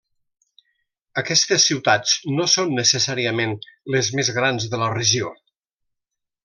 Aquestes ciutats no són necessàriament les més grans de la regió.